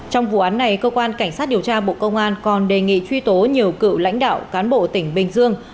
trong vụ án này cơ quan cảnh sát điều tra bộ công an còn đề nghị truy tố nhiều cựu lãnh đạo cán bộ tỉnh bình dương